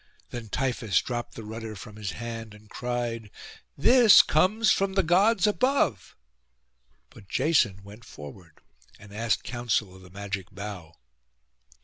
Then Tiphys dropped the rudder from his hand, and cried, 'This comes from the Gods above.' But Jason went forward, and asked counsel of the magic bough.